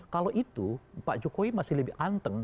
kalau itu pak jokowi masih lebih anteng